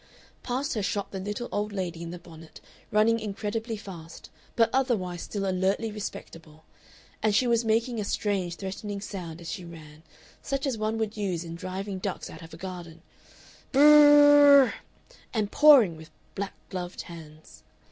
Past her shot the little old lady in the bonnet, running incredibly fast, but otherwise still alertly respectable, and she was making a strange threatening sound as she ran, such as one would use in driving ducks out of a garden "B r r r r r !" and pawing with black gloved hands.